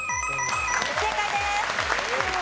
正解です。